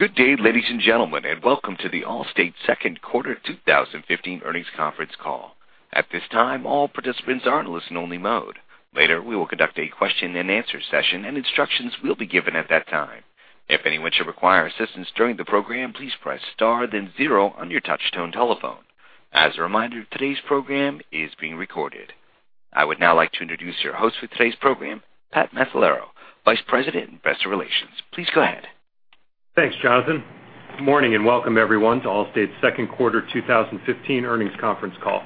Good day, ladies and gentlemen, and welcome to the Allstate second quarter 2015 earnings conference call. At this time, all participants are in listen only mode. Later, we will conduct a question and answer session and instructions will be given at that time. If anyone should require assistance during the program, please press star then zero on your touch tone telephone. As a reminder, today's program is being recorded. I would now like to introduce your host for today's program, Patrick Macellaro, Vice President, Investor Relations. Please go ahead. Thanks, Jonathan. Good morning and welcome everyone to Allstate's second quarter 2015 earnings conference call.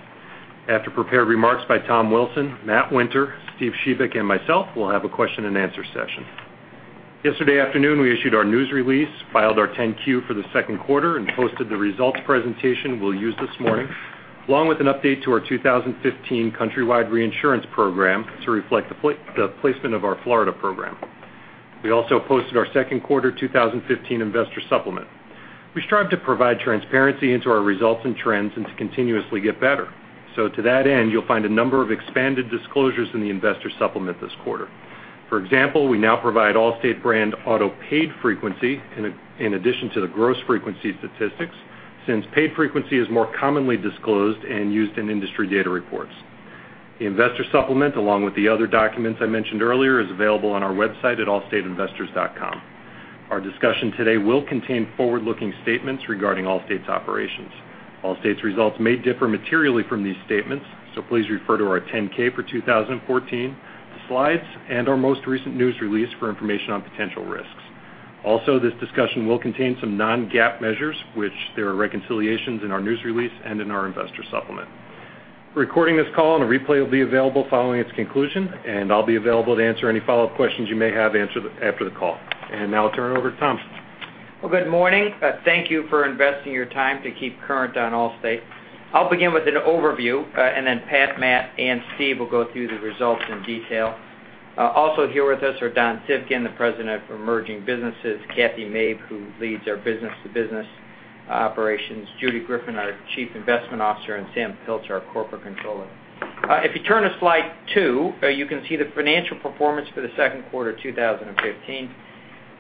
After prepared remarks by Tom Wilson, Matt Winter, Steve Shebik, and myself, we'll have a question and answer session. Yesterday afternoon, we issued our news release, filed our 10-Q for the second quarter, and posted the results presentation we'll use this morning, along with an update to our 2015 countrywide reinsurance program to reflect the placement of our Florida program. We also posted our second quarter 2015 investor supplement. To that end, you'll find a number of expanded disclosures in the investor supplement this quarter. For example, we now provide Allstate brand auto paid frequency in addition to the gross frequency statistics, since paid frequency is more commonly disclosed and used in industry data reports. The investor supplement, along with the other documents I mentioned earlier, is available on our website at allstateinvestors.com. Our discussion today will contain forward-looking statements regarding Allstate's operations. Allstate's results may differ materially from these statements, please refer to our 10-K for 2014, the slides, and our most recent news release for information on potential risks. Also, this discussion will contain some non-GAAP measures which there are reconciliations in our news release and in our investor supplement. We're recording this call, and a replay will be available following its conclusion, and I'll be available to answer any follow-up questions you may have after the call. Now I'll turn it over to Tom. Well, good morning. Thank you for investing your time to keep current on Allstate. I'll begin with an overview, and then Pat, Matt, and Steve will go through the results in detail. Also here with us are Don Civgin, the President of Emerging Businesses, Kathy Mabe, who leads our Business-to-Business operations, Judy Greffin, our Chief Investment Officer, and Sam Pilch, our Corporate Controller. If you turn to slide two, you can see the financial performance for the second quarter 2015.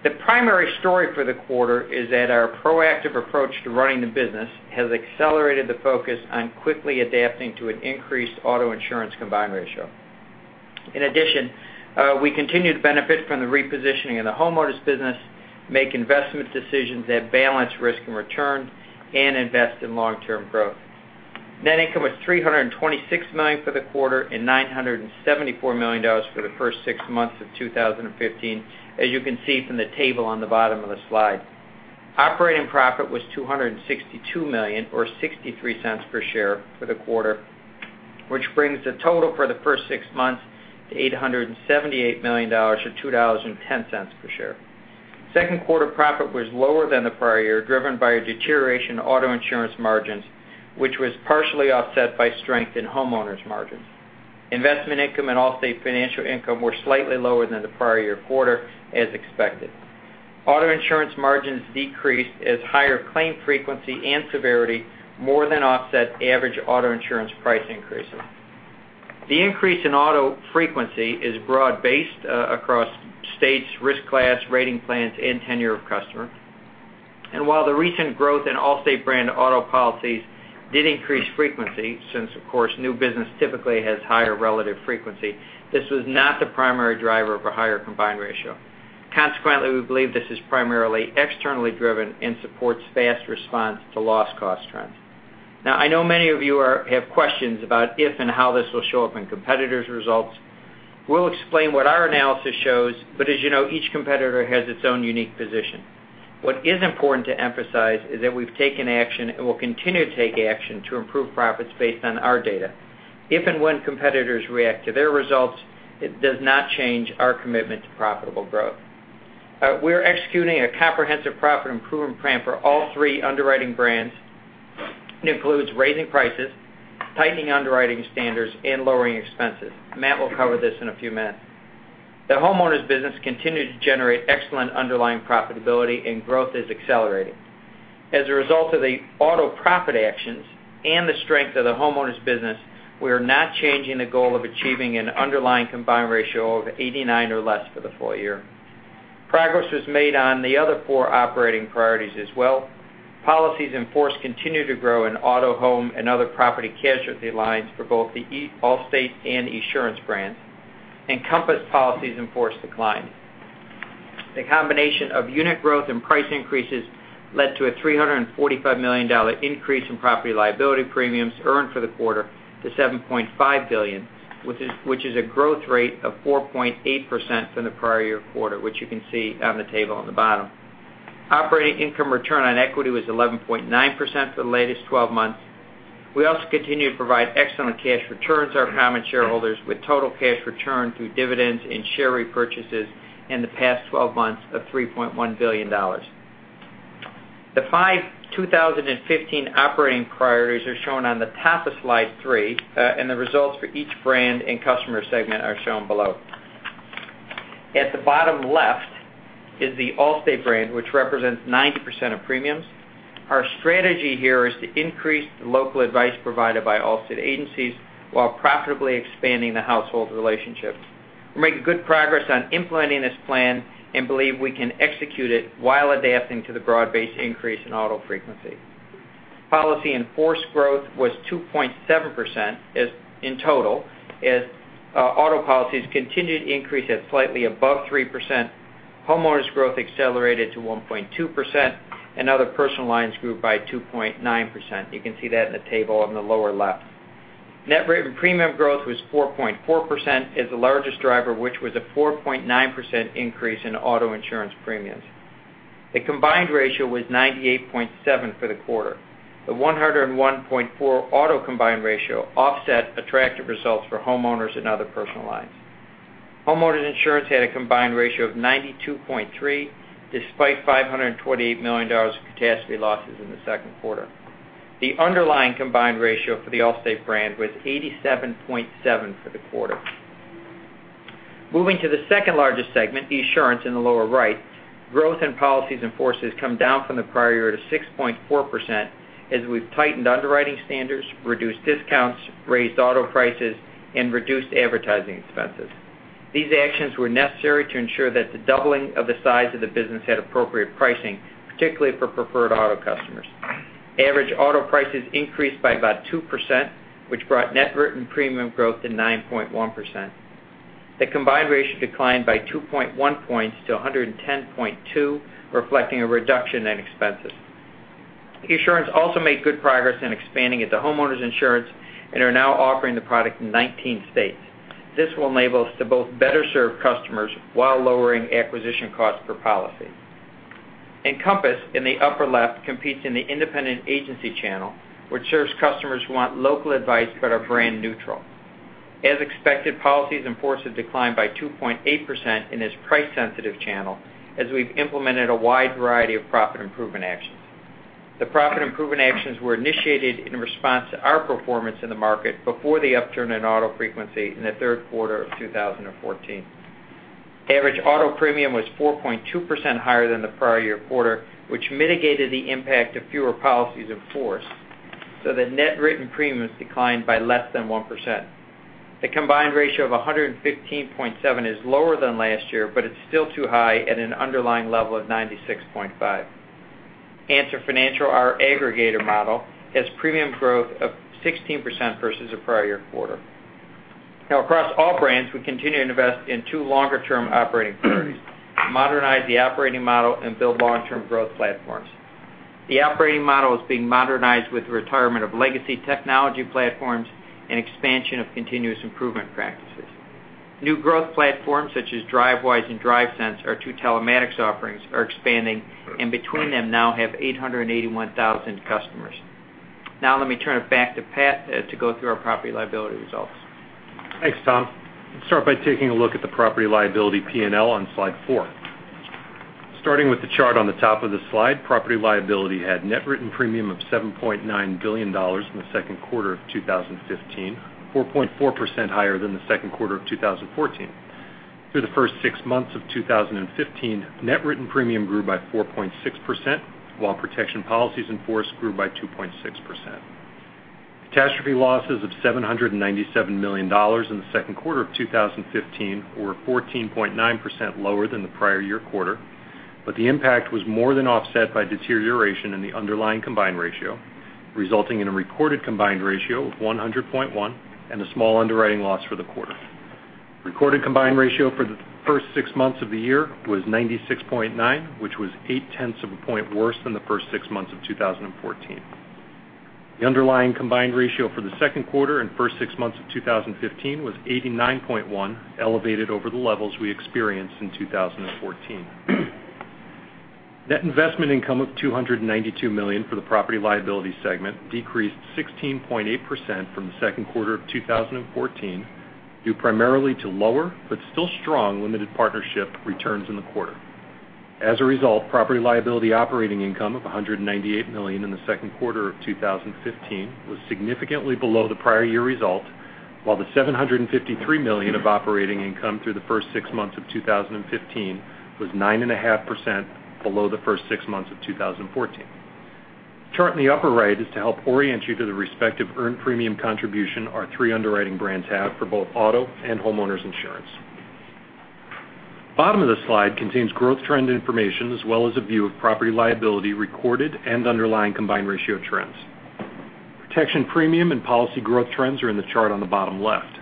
The primary story for the quarter is that our proactive approach to running the business has accelerated the focus on quickly adapting to an increased auto insurance combined ratio. In addition, we continue to benefit from the repositioning of the homeowners business, make investment decisions that balance risk and return, and invest in long-term growth. Net income was $326 million for the quarter and $974 million for the first six months of 2015, as you can see from the table on the bottom of the slide. Operating profit was $262 million or $0.63 per share for the quarter, which brings the total for the first six months to $878 million or $2.10 per share. Second quarter profit was lower than the prior year, driven by a deterioration in auto insurance margins, which was partially offset by strength in homeowners margins. Investment income and Allstate Financial income were slightly lower than the prior year quarter, as expected. Auto insurance margins decreased as higher claim frequency and severity more than offset average auto insurance price increases. The increase in auto frequency is broad-based across states, risk class, rating plans, and tenure of customer. While the recent growth in Allstate brand auto policies did increase frequency, since, of course, new business typically has higher relative frequency, this was not the primary driver of a higher combined ratio. Consequently, we believe this is primarily externally driven and supports fast response to loss cost trends. Now, I know many of you have questions about if and how this will show up in competitors' results. We'll explain what our analysis shows, but as you know, each competitor has its own unique position. What is important to emphasize is that we've taken action and will continue to take action to improve profits based on our data. If and when competitors react to their results, it does not change our commitment to profitable growth. We're executing a comprehensive profit improvement plan for all three underwriting brands. It includes raising prices, tightening underwriting standards, and lowering expenses. Matt will cover this in a few minutes. The homeowners business continues to generate excellent underlying profitability, and growth is accelerating. As a result of the auto profit actions and the strength of the homeowners business, we are not changing the goal of achieving an underlying combined ratio of 89 or less for the full year. Progress was made on the other four operating priorities as well. Policies in force continue to grow in auto, home, and other property casualty lines for both the Allstate and Esurance brands. Encompass policies in force declined. The combination of unit growth and price increases led to a $345 million increase in property liability premiums earned for the quarter to $7.5 billion, which is a growth rate of 4.8% from the prior year quarter, which you can see on the table on the bottom. Operating income return on equity was 11.9% for the latest 12 months. We also continue to provide excellent cash returns to our common shareholders with total cash return through dividends and share repurchases in the past 12 months of $3.1 billion. The five 2015 operating priorities are shown on the top of slide three. The results for each brand and customer segment are shown below. At the bottom left is the Allstate brand, which represents 90% of premiums. Our strategy here is to increase the local advice provided by Allstate agencies while profitably expanding the household relationships. We're making good progress on implementing this plan and believe we can execute it while adapting to the broad-based increase in auto frequency. Policy in force growth was 2.7% in total as auto policies continued to increase at slightly above 3%, homeowners growth accelerated to 1.2%, and other personal lines grew by 2.9%. You can see that in the table on the lower left. Net written premium growth was 4.4%, as the largest driver, which was a 4.9% increase in auto insurance premiums. The combined ratio was 98.7 for the quarter. The 101.4 auto combined ratio offset attractive results for homeowners and other personal lines. Homeowners insurance had a combined ratio of 92.3, despite $528 million of catastrophe losses in the second quarter. The underlying combined ratio for the Allstate brand was 87.7 for the quarter. Moving to the second-largest segment, Esurance in the lower right, growth in policies in force has come down from the prior year to 6.4% as we've tightened underwriting standards, reduced discounts, raised auto prices, and reduced advertising expenses. These actions were necessary to ensure that the doubling of the size of the business had appropriate pricing, particularly for preferred auto customers. Average auto prices increased by about 2%, which brought net written premium growth to 9.1%. The combined ratio declined by 2.1 points to 110.2, reflecting a reduction in expenses. Esurance also made good progress in expanding into homeowners insurance and are now offering the product in 19 states. This will enable us to both better serve customers while lowering acquisition costs per policy. Encompass, in the upper left, competes in the independent agency channel, which serves customers who want local advice but are brand neutral. As expected, policies in force have declined by 2.8% in this price-sensitive channel, as we've implemented a wide variety of profit improvement actions. The profit improvement actions were initiated in response to our performance in the market before the upturn in auto frequency in the third quarter of 2014. Average auto premium was 4.2% higher than the prior year quarter, which mitigated the impact of fewer policies in force, so that net written premiums declined by less than 1%. The combined ratio of 115.7 is lower than last year, but it's still too high at an underlying level of 96.5. Answer Financial, our aggregator model, has premium growth of 16% versus the prior year quarter. Across all brands, we continue to invest in two longer-term operating priorities, modernize the operating model and build long-term growth platforms. The operating model is being modernized with the retirement of legacy technology platforms and expansion of continuous improvement practices. New growth platforms such as Drivewise and DriveSense, our two telematics offerings, are expanding, and between them now have 881,000 customers. Let me turn it back to Pat to go through our property liability results. Thanks, Tom. Let's start by taking a look at the property liability P&L on slide four. Starting with the chart on the top of the slide, property liability had net written premium of $7.9 billion in the second quarter of 2015, 4.4% higher than the second quarter of 2014. Through the first six months of 2015, net written premium grew by 4.6%, while protection policies in force grew by 2.6%. Catastrophe losses of $797 million in the second quarter of 2015 were 14.9% lower than the prior year quarter, but the impact was more than offset by deterioration in the underlying combined ratio, resulting in a recorded combined ratio of 100.1 and a small underwriting loss for the quarter. Recorded combined ratio for the first six months of the year was 96.9, which was eight tenths of a point worse than the first six months of 2014. The underlying combined ratio for the second quarter and first six months of 2015 was 89.1, elevated over the levels we experienced in 2014. Net investment income of $292 million for the property liability segment decreased 16.8% from the second quarter of 2014, due primarily to lower, but still strong, limited partnership returns in the quarter. As a result, property liability operating income of $198 million in the second quarter of 2015 was significantly below the prior year result, while the $753 million of operating income through the first six months of 2015 was 9.5% below the first six months of 2014. The chart in the upper right is to help orient you to the respective earned premium contribution our three underwriting brands have for both auto and homeowners insurance. Bottom of the slide contains growth trend information, as well as a view of property liability recorded and underlying combined ratio trends. Protection premium and policy growth trends are in the chart on the bottom left.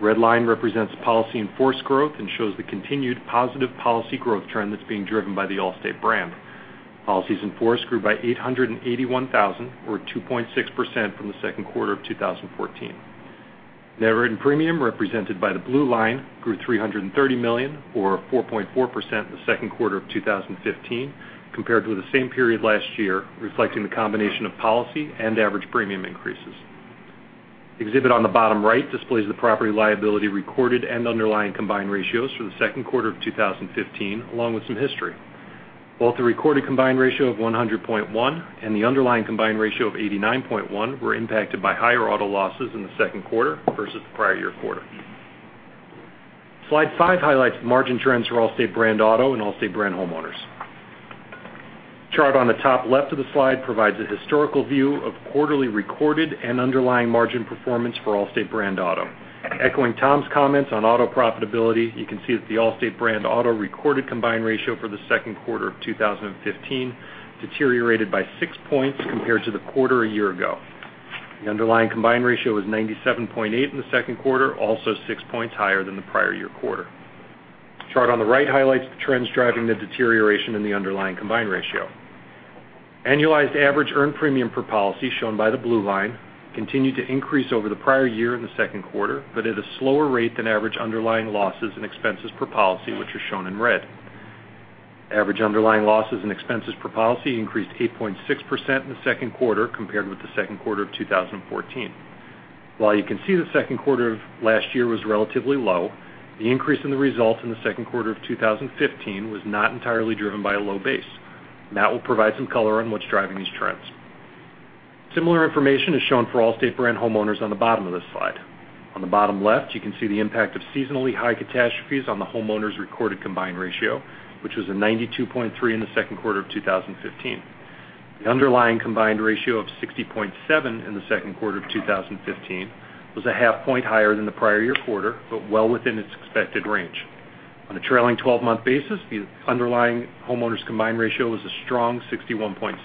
Red line represents policy in force growth and shows the continued positive policy growth trend that's being driven by the Allstate brand. Policies in force grew by 881,000 or 2.6% from the second quarter of 2014. Net written premium represented by the blue line grew $330 million or 4.4% in the second quarter of 2015 compared with the same period last year, reflecting the combination of policy and average premium increases. Exhibit on the bottom right displays the property liability recorded and underlying combined ratios for the second quarter of 2015, along with some history. Both the recorded combined ratio of 100.1 and the underlying combined ratio of 89.1 were impacted by higher auto losses in the second quarter versus the prior year quarter. Slide five highlights margin trends for Allstate brand auto and Allstate brand homeowners. Chart on the top left of the slide provides a historical view of quarterly recorded and underlying margin performance for Allstate brand auto. Echoing Tom's comments on auto profitability, you can see that the Allstate brand auto recorded combined ratio for the second quarter of 2015 deteriorated by six points compared to the quarter a year ago. The underlying combined ratio was 97.8 in the second quarter, also six points higher than the prior year quarter. Chart on the right highlights the trends driving the deterioration in the underlying combined ratio. Annualized average earned premium per policy, shown by the blue line, continued to increase over the prior year in the second quarter, but at a slower rate than average underlying losses and expenses per policy, which are shown in red. Average underlying losses and expenses per policy increased 8.6% in the second quarter compared with the second quarter of 2014. While you can see the second quarter of last year was relatively low, the increase in the results in the second quarter of 2015 was not entirely driven by a low base. Matt will provide some color on what's driving these trends. Similar information is shown for Allstate brand homeowners on the bottom of this slide. On the bottom left, you can see the impact of seasonally high catastrophes on the homeowners' recorded combined ratio, which was a 92.3 in the second quarter of 2015. The underlying combined ratio of 60.7 in the second quarter of 2015 was a half point higher than the prior year quarter, but well within its expected range. On a trailing 12-month basis, the underlying homeowners combined ratio was a strong 61.6.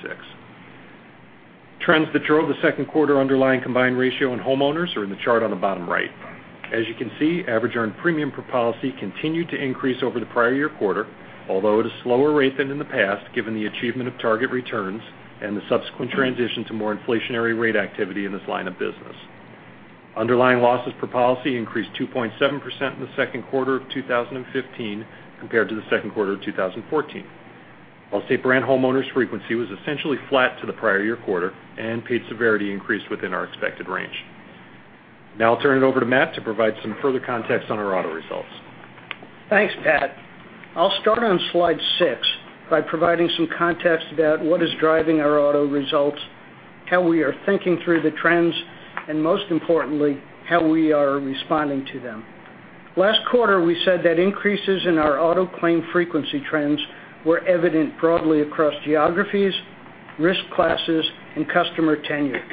Trends that drove the second quarter underlying combined ratio in homeowners are in the chart on the bottom right. As you can see, average earned premium per policy continued to increase over the prior year quarter, although at a slower rate than in the past, given the achievement of target returns and the subsequent transition to more inflationary rate activity in this line of business. Underlying losses per policy increased 2.7% in the second quarter of 2015 compared to the second quarter of 2014. Allstate brand homeowners' frequency was essentially flat to the prior year quarter, and paid severity increased within our expected range. Now I'll turn it over to Matt to provide some further context on our auto results. Thanks, Pat. I'll start on slide six by providing some context about what is driving our auto results, how we are thinking through the trends, and most importantly, how we are responding to them. Last quarter, we said that increases in our auto claim frequency trends were evident broadly across geographies, risk classes, and customer tenure.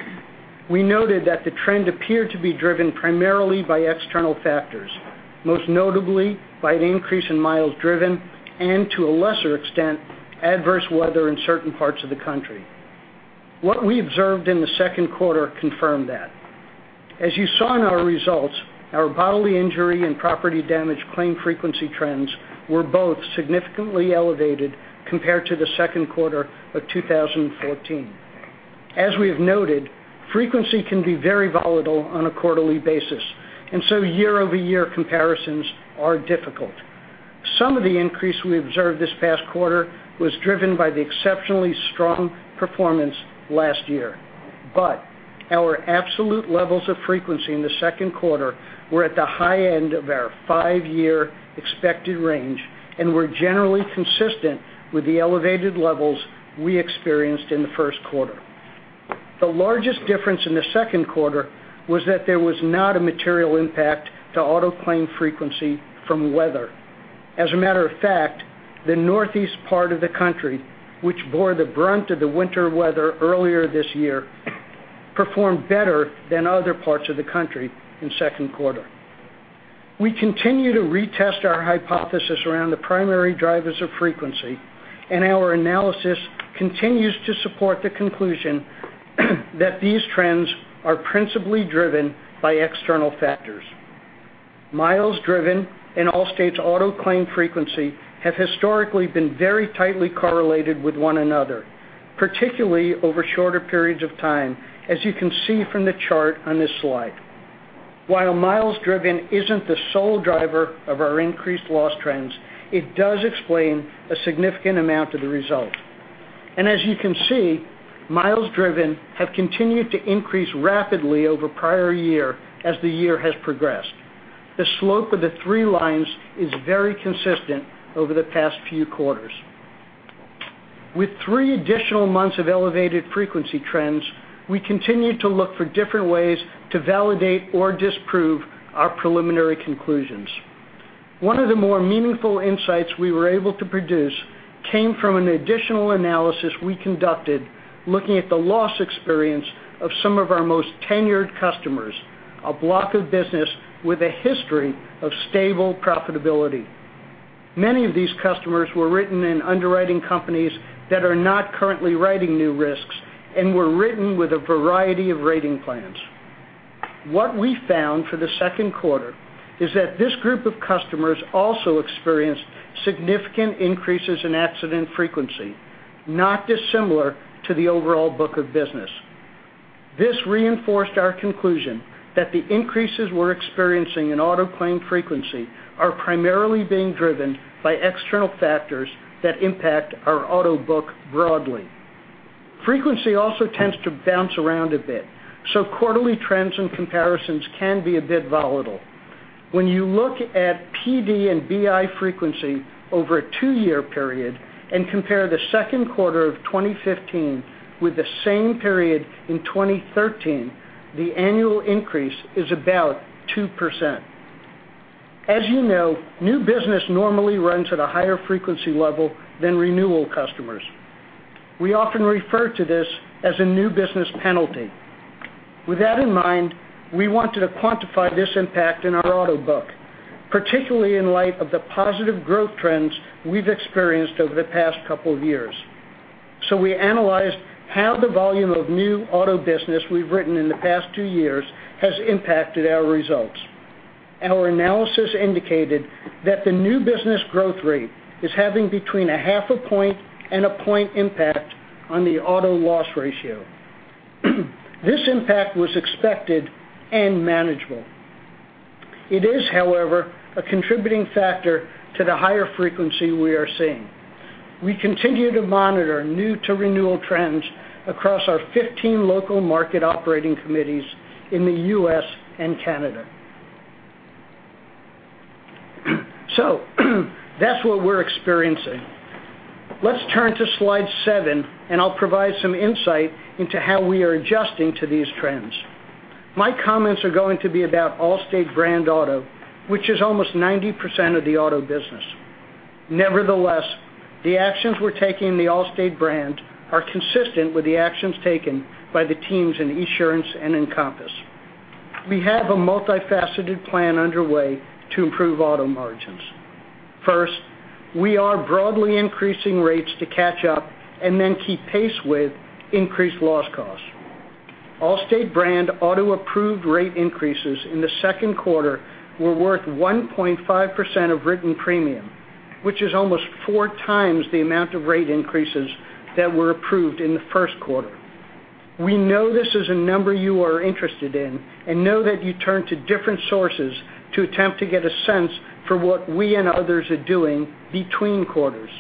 We noted that the trend appeared to be driven primarily by external factors, most notably by an increase in miles driven, and to a lesser extent, adverse weather in certain parts of the country. What we observed in the second quarter confirmed that. As you saw in our results, our bodily injury and property damage claim frequency trends were both significantly elevated compared to the second quarter of 2014. As we have noted, frequency can be very volatile on a quarterly basis. Year-over-year comparisons are difficult. Some of the increase we observed this past quarter was driven by the exceptionally strong performance last year. Our absolute levels of frequency in the second quarter were at the high end of our five-year expected range and were generally consistent with the elevated levels we experienced in the first quarter. The largest difference in the second quarter was that there was not a material impact to auto claim frequency from weather. As a matter of fact, the Northeast part of the country, which bore the brunt of the winter weather earlier this year, performed better than other parts of the country in the second quarter. We continue to retest our hypothesis around the primary drivers of frequency. Our analysis continues to support the conclusion that these trends are principally driven by external factors. Miles driven and Allstate's auto claim frequency have historically been very tightly correlated with one another, particularly over shorter periods of time, as you can see from the chart on this slide. While miles driven isn't the sole driver of our increased loss trends, it does explain a significant amount of the result. As you can see, miles driven have continued to increase rapidly over prior year as the year has progressed. The slope of the three lines is very consistent over the past few quarters. With three additional months of elevated frequency trends, we continue to look for different ways to validate or disprove our preliminary conclusions. One of the more meaningful insights we were able to produce came from an additional analysis we conducted looking at the loss experience of some of our most tenured customers, a block of business with a history of stable profitability. Many of these customers were written in underwriting companies that are not currently writing new risks and were written with a variety of rating plans. What we found for the second quarter is that this group of customers also experienced significant increases in accident frequency, not dissimilar to the overall book of business. This reinforced our conclusion that the increases we're experiencing in auto claim frequency are primarily being driven by external factors that impact our auto book broadly. Frequency also tends to bounce around a bit, so quarterly trends and comparisons can be a bit volatile. When you look at PD and BI frequency over a two-year period and compare the second quarter of 2015 with the same period in 2013, the annual increase is about 2%. As you know, new business normally runs at a higher frequency level than renewal customers. We often refer to this as a new business penalty. With that in mind, we wanted to quantify this impact in our auto book, particularly in light of the positive growth trends we've experienced over the past couple of years. We analyzed how the volume of new auto business we've written in the past two years has impacted our results. Our analysis indicated that the new business growth rate is having between a half a point and a point impact on the auto loss ratio. This impact was expected and manageable. It is, however, a contributing factor to the higher frequency we are seeing. We continue to monitor new to renewal trends across our 15 local market operating committees in the U.S. and Canada. That's what we're experiencing. Let's turn to slide seven. I'll provide some insight into how we are adjusting to these trends. My comments are going to be about Allstate brand auto, which is almost 90% of the auto business. Nevertheless, the actions we're taking in the Allstate brand are consistent with the actions taken by the teams in Esurance and Encompass. We have a multifaceted plan underway to improve auto margins. First, we are broadly increasing rates to catch up and then keep pace with increased loss costs. Allstate brand auto approved rate increases in the second quarter were worth 1.5% of written premium, which is almost four times the amount of rate increases that were approved in the first quarter. We know this is a number you are interested in and know that you turn to different sources to attempt to get a sense for what we and others are doing between quarters.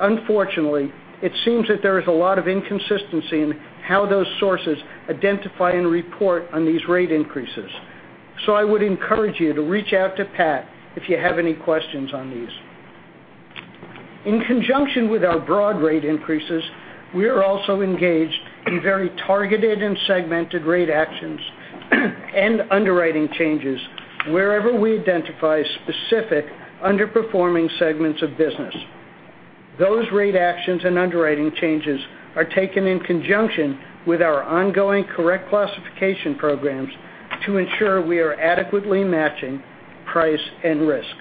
Unfortunately, it seems that there is a lot of inconsistency in how those sources identify and report on these rate increases. I would encourage you to reach out to Pat if you have any questions on these. In conjunction with our broad rate increases, we are also engaged in very targeted and segmented rate actions and underwriting changes wherever we identify specific underperforming segments of business. Those rate actions and underwriting changes are taken in conjunction with our ongoing correct classification programs to ensure we are adequately matching price and risk.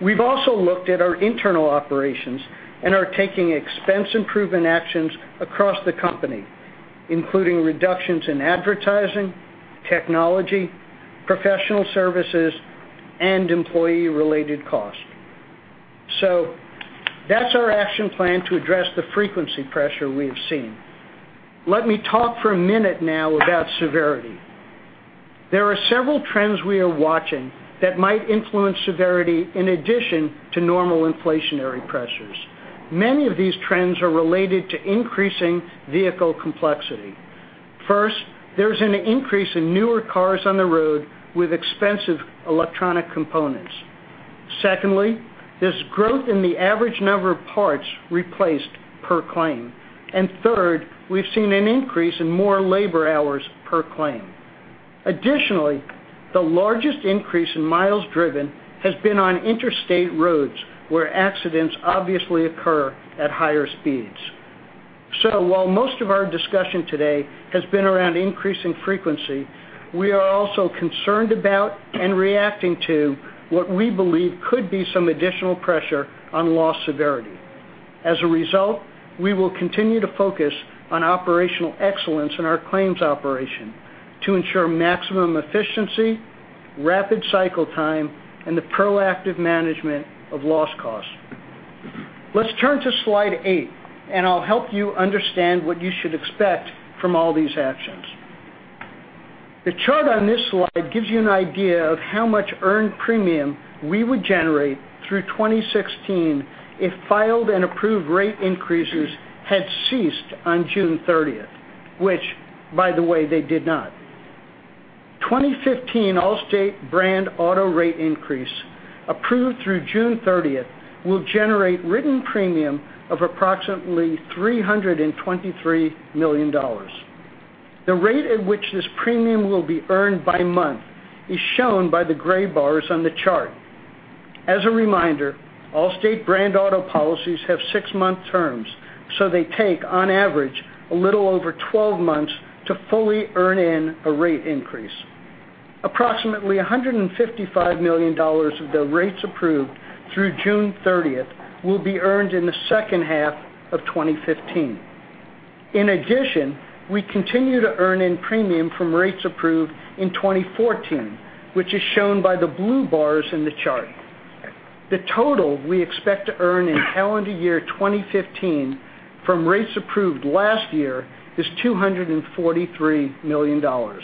We've also looked at our internal operations and are taking expense improvement actions across the company, including reductions in advertising, technology, professional services, and employee-related cost. That's our action plan to address the frequency pressure we have seen. Let me talk for a minute now about severity. There are several trends we are watching that might influence severity in addition to normal inflationary pressures. Many of these trends are related to increasing vehicle complexity. First, there's an increase in newer cars on the road with expensive electronic components. Secondly, there's growth in the average number of parts replaced per claim. Third, we've seen an increase in more labor hours per claim. Additionally, the largest increase in miles driven has been on interstate roads, where accidents obviously occur at higher speeds. While most of our discussion today has been around increasing frequency, we are also concerned about and reacting to what we believe could be some additional pressure on loss severity. As a result, we will continue to focus on operational excellence in our claims operation to ensure maximum efficiency, rapid cycle time, and the proactive management of loss costs. Let's turn to slide eight, I'll help you understand what you should expect from all these actions. The chart on this slide gives you an idea of how much earned premium we would generate through 2016 if filed and approved rate increases had ceased on June 30th, which, by the way, they did not. 2015 Allstate brand auto rate increase approved through June 30th will generate written premium of approximately $323 million. The rate at which this premium will be earned by month is shown by the gray bars on the chart. As a reminder, Allstate brand auto policies have six-month terms, so they take, on average, a little over 12 months to fully earn in a rate increase. Approximately $155 million of the rates approved through June 30th will be earned in the second half of 2015. In addition, we continue to earn in premium from rates approved in 2014, which is shown by the blue bars in the chart. The total we expect to earn in calendar year 2015 from rates approved last year is $243 million.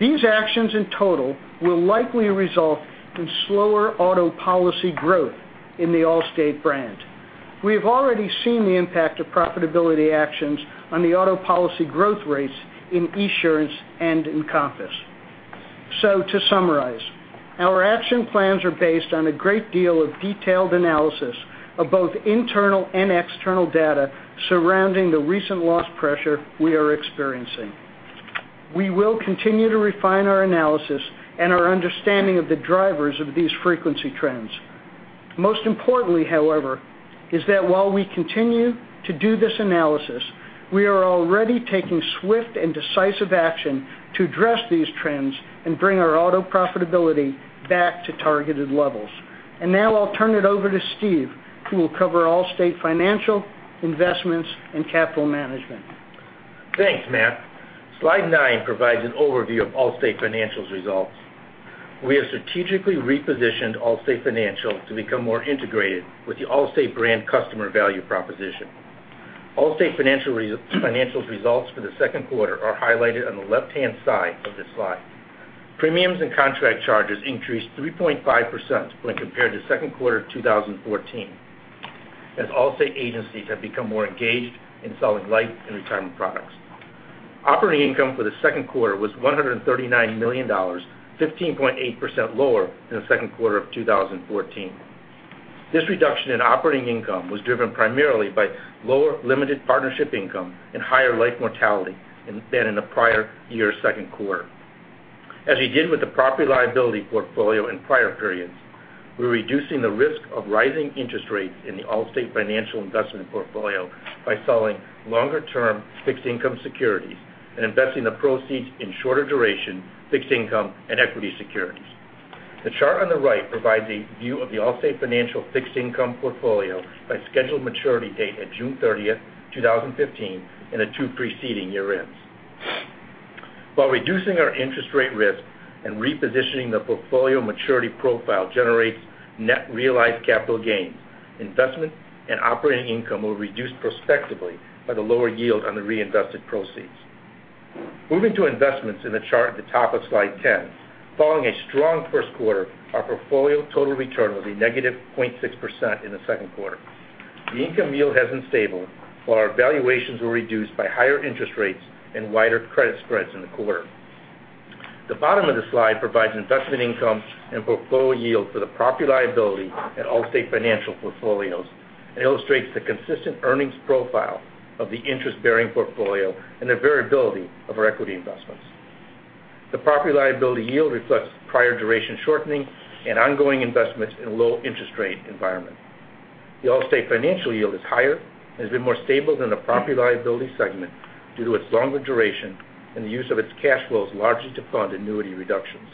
These actions in total will likely result in slower auto policy growth in the Allstate brand. We have already seen the impact of profitability actions on the auto policy growth rates in Esurance and Encompass. To summarize, our action plans are based on a great deal of detailed analysis of both internal and external data surrounding the recent loss pressure we are experiencing. We will continue to refine our analysis and our understanding of the drivers of these frequency trends. Most importantly, however, is that while we continue to do this analysis, we are already taking swift and decisive action to address these trends and bring our auto profitability back to targeted levels. Now I'll turn it over to Steve, who will cover Allstate Financial, Investments, and Capital Management. Thanks, Matt. Slide nine provides an overview of Allstate Financial's results. We have strategically repositioned Allstate Financial to become more integrated with the Allstate brand customer value proposition. Allstate Financial's results for the second quarter are highlighted on the left-hand side of this slide. Premiums and contract charges increased 3.5% when compared to second quarter of 2014, as Allstate agencies have become more engaged in selling life and retirement products. Operating income for the second quarter was $139 million, 15.8% lower than the second quarter of 2014. This reduction in operating income was driven primarily by lower limited partnership income and higher life mortality than in the prior year's second quarter. As we did with the property liability portfolio in prior periods, we're reducing the risk of rising interest rates in the Allstate Financial investment portfolio by selling longer-term fixed income securities and investing the proceeds in shorter duration, fixed income, and equity securities. The chart on the right provides a view of the Allstate Financial fixed income portfolio by scheduled maturity date at June 30th, 2015, and the two preceding year ends. While reducing our interest rate risk and repositioning the portfolio maturity profile generates net realized capital gains, investment and operating income were reduced prospectively by the lower yield on the reinvested proceeds. Moving to investments in the chart at the top of slide 10. Following a strong first quarter, our portfolio total return was a negative 0.6% in the second quarter. The income yield has been stable while our valuations were reduced by higher interest rates and wider credit spreads in the quarter. The bottom of the slide provides investment income and portfolio yield for the property liability at Allstate Financial portfolios and illustrates the consistent earnings profile of the interest-bearing portfolio and the variability of our equity investments. The property liability yield reflects prior duration shortening and ongoing investments in a low interest rate environment. The Allstate Financial yield is higher and has been more stable than the property liability segment due to its longer duration and the use of its cash flows largely to fund annuity reductions.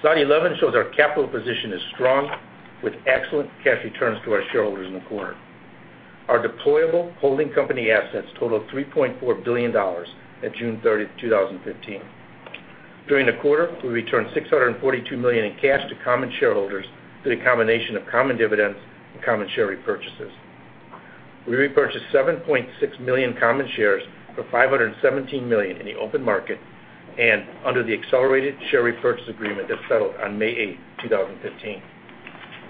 Slide 11 shows our capital position is strong with excellent cash returns to our shareholders in the quarter. Our deployable holding company assets total $3.4 billion at June 30, 2015. During the quarter, we returned $642 million in cash to common shareholders through the combination of common dividends and common share repurchases. We repurchased 7.6 million common shares for $517 million in the open market and under the accelerated share repurchase agreement that settled on May 8th, 2015.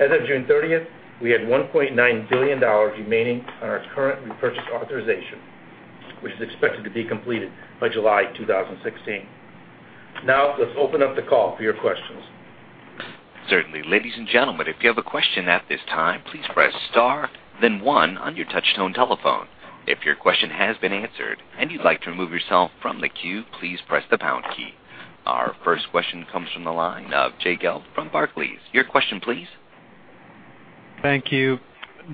As of June 30th, we had $1.9 billion remaining on our current repurchase authorization, which is expected to be completed by July 2016. Let's open up the call for your questions. Certainly. Ladies and gentlemen, if you have a question at this time, please press star then one on your touchtone telephone. If your question has been answered and you'd like to remove yourself from the queue, please press the pound key. Our first question comes from the line of Jay Gelb from Barclays. Your question, please. Thank you.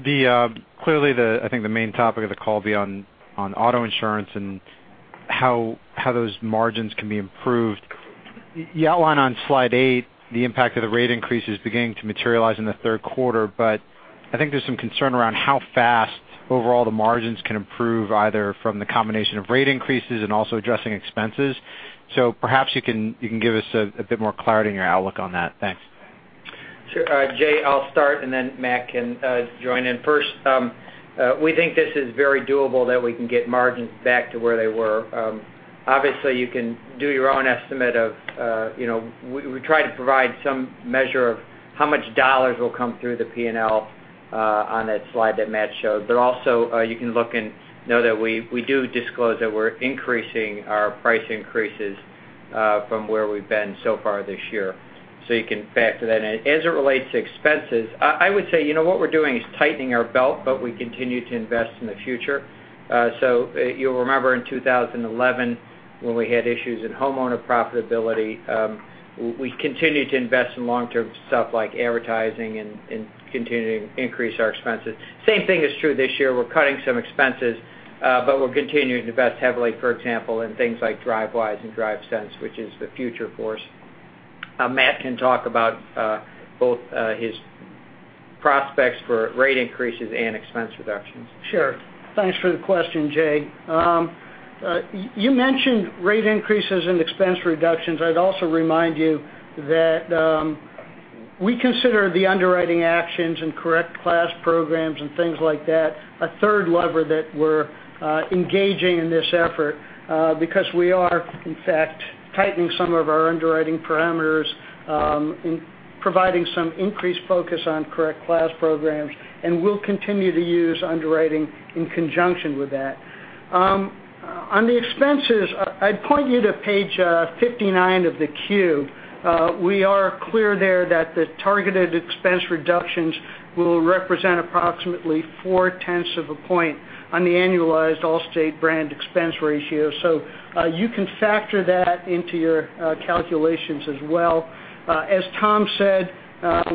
Clearly, I think the main topic of the call will be on auto insurance and how those margins can be improved. You outline on slide eight the impact of the rate increases beginning to materialize in the third quarter, but I think there's some concern around how fast overall the margins can improve, either from the combination of rate increases and also addressing expenses. Perhaps you can give us a bit more clarity on your outlook on that. Thanks. Sure. Jay, I'll start and then Matt can join in. First, we think this is very doable that we can get margins back to where they were. Obviously, you can do your own estimate of. We try to provide some measure of how much dollars will come through the P&L on that slide that Matt showed. Also, you can look and know that we do disclose that we're increasing our price increases from where we've been so far this year. You can factor that in. As it relates to expenses, I would say, what we're doing is tightening our belt, but we continue to invest in the future. You'll remember in 2011, when we had issues in homeowner profitability, we continued to invest in long-term stuff like advertising and continuing to increase our expenses. Same thing is true this year. We're cutting some expenses, but we're continuing to invest heavily, for example, in things like Drivewise and DriveSense, which is the future for us. Matt can talk about both his prospects for rate increases and expense reductions. Sure. Thanks for the question, Jay. You mentioned rate increases and expense reductions. I'd also remind you that we consider the underwriting actions and correct class programs and things like that, a third lever that we're engaging in this effort because we are, in fact, tightening some of our underwriting parameters, providing some increased focus on correct class programs, and we'll continue to use underwriting in conjunction with that. On the expenses, I'd point you to page 59 of the 10-Q. We are clear there that the targeted expense reductions will represent approximately four tenths of a point on the annualized Allstate brand expense ratio. You can factor that into your calculations as well. As Tom said,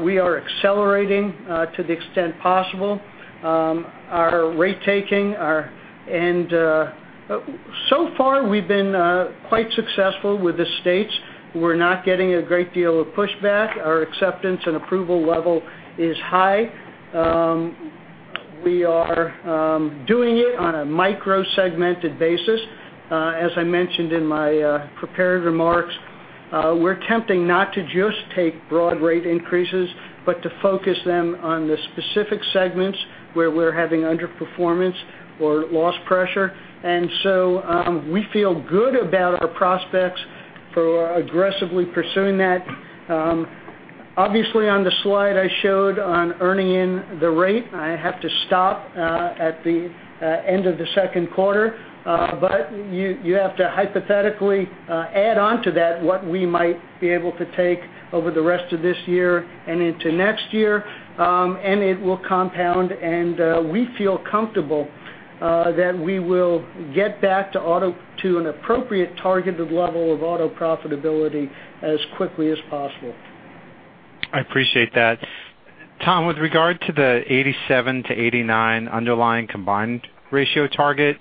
we are accelerating to the extent possible our rate taking. So far, we've been quite successful with the states. We're not getting a great deal of pushback. Our acceptance and approval level is high. We are doing it on a micro-segmented basis. As I mentioned in my prepared remarks, we're attempting not to just take broad rate increases, but to focus them on the specific segments where we're having underperformance or loss pressure. We feel good about our prospects for aggressively pursuing that. Obviously, on the slide I showed on earning in the rate, I have to stop at the end of the second quarter. You have to hypothetically add on to that what we might be able to take over the rest of this year and into next year, and it will compound, and we feel comfortable that we will get back to an appropriate targeted level of auto profitability as quickly as possible. I appreciate that. Tom, with regard to the 87-89 underlying combined ratio target,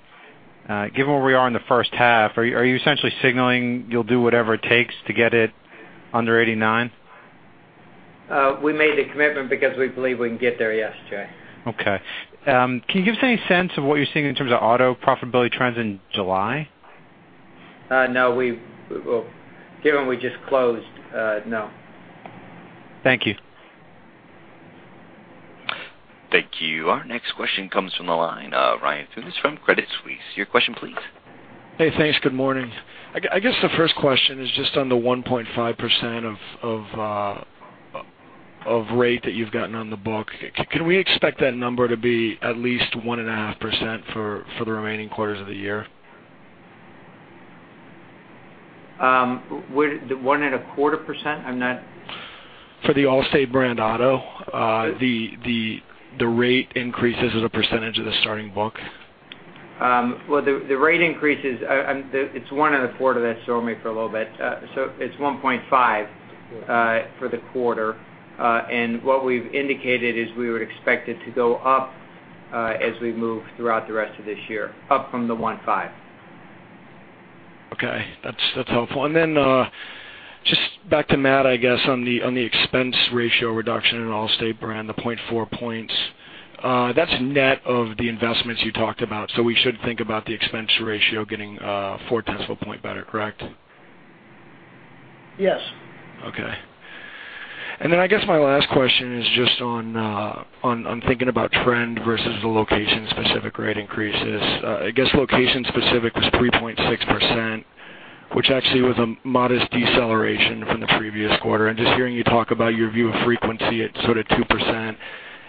given where we are in the first half, are you essentially signaling you'll do whatever it takes to get it under 89? We made the commitment because we believe we can get there, yes, Jay. Okay. Can you give us any sense of what you're seeing in terms of auto profitability trends in July? No. Given we just closed, no. Thank you. Thank you. Our next question comes from the line of Ryan Fuhs from Credit Suisse. Your question please. Hey, thanks. Good morning. I guess the first question is just on the 1.5% of rate that you've gotten on the book. Can we expect that number to be at least 1.5% for the remaining quarters of the year? 1.25%? For the Allstate brand auto, the rate increases as a % of the starting book. Well, the rate increases, it's 1.25, that threw me for a little bit. It's 1.5 for the quarter. What we've indicated is we would expect it to go up as we move throughout the rest of this year, up from the 1.5. Okay. That's helpful. Just back to Matt, I guess, on the expense ratio reduction in Allstate brand, the 0.4 points. That's net of the investments you talked about. We should think about the expense ratio getting four tenths of a point better, correct? Yes. Okay. I guess my last question is just on thinking about trend versus the location specific rate increases. I guess location specific was 3.6%, which actually was a modest deceleration from the previous quarter. Just hearing you talk about your view of frequency at sort of 2%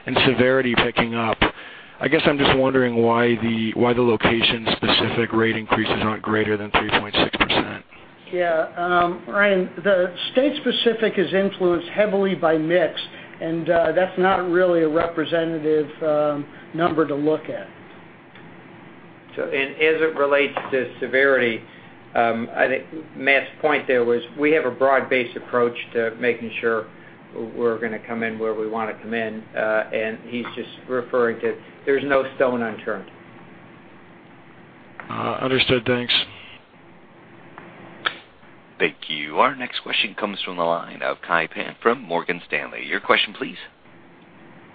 and severity picking up, I guess I'm just wondering why the location specific rate increases aren't greater than 3.6%. Yeah. Ryan, the state specific is influenced heavily by mix, and that's not really a representative number to look at. As it relates to severity, I think Matt's point there was we have a broad-based approach to making sure we're going to come in where we want to come in. He's just referring to there's no stone unturned. Understood. Thanks. Thank you. Our next question comes from the line of Kai Pan from Morgan Stanley. Your question, please.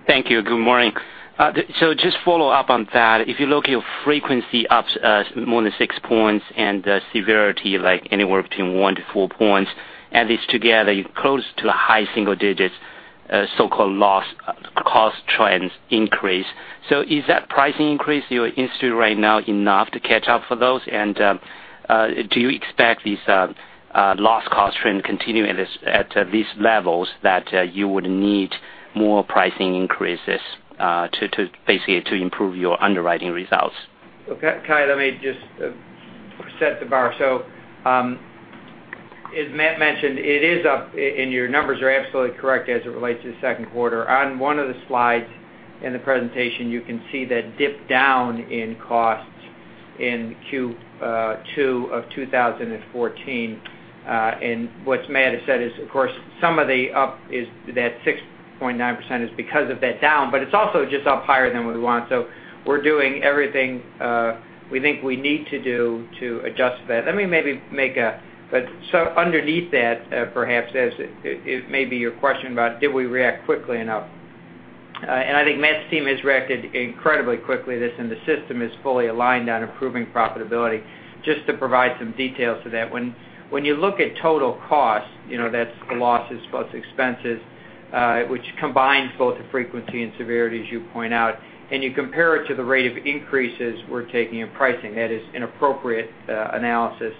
Thank you. Good morning. Just follow up on that. If you look, your frequency up more than 6 points and the severity, like anywhere between 1 to 4 points. Add these together, you're close to a high single-digits, so-called loss cost trends increase. Is that pricing increase you institute right now enough to catch up for those? Do you expect this loss cost trend continue at these levels that you would need more pricing increases basically to improve your underwriting results? Okay, Kai, let me just set the bar. As Matt mentioned, it is up, and your numbers are absolutely correct as it relates to the second quarter. On one of the slides in the presentation, you can see that dip down in costs in Q2 of 2014. What Matt has said is, of course, some of the up is that 6.9% is because of that down, but it's also just up higher than what we want. We're doing everything we think we need to do to adjust that. Underneath that, perhaps, as it may be, your question about did we react quickly enough? I think Matt's team has reacted incredibly quickly to this, and the system is fully aligned on improving profitability. Just to provide some details to that, when you look at total cost, that's the losses plus expenses, which combines both the frequency and severity, as you point out, and you compare it to the rate of increases we're taking in pricing, that is an appropriate analysis.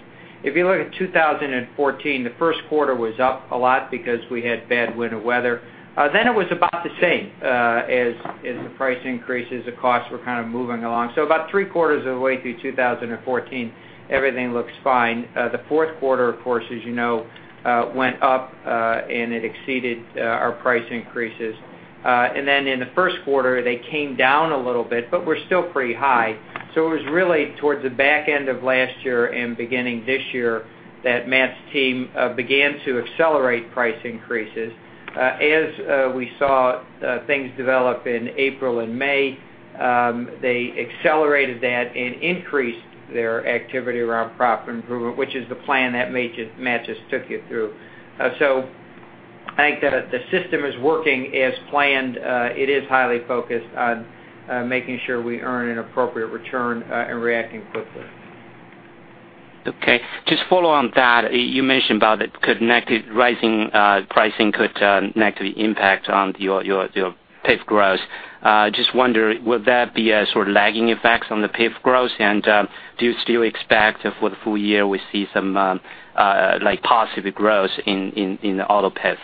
If you look at 2014, the first quarter was up a lot because we had bad winter weather. It was about the same as the price increases. The costs were kind of moving along. About three quarters of the way through 2014, everything looks fine. The fourth quarter, of course, as you know, went up, and it exceeded our price increases. In the first quarter, they came down a little bit, but were still pretty high. It was really towards the back end of last year and beginning this year that Matt's team began to accelerate price increases. As we saw things develop in April and May, they accelerated that and increased their activity around profit improvement, which is the plan that Matt just took you through. I think that the system is working as planned. It is highly focused on making sure we earn an appropriate return and reacting quickly. Okay. Just follow on that. You mentioned about that rising pricing could negatively impact on your PIF growth. Just wonder, would that be a sort of lagging effect on the PIF growth? Do you still expect for the full year, we see some positive growth in the auto PIF?